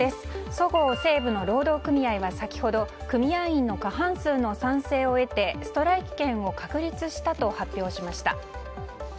そごう・西武の労働組合は先ほど、組合員の過半数の賛成を得てストライキ権を確立したと発表しました。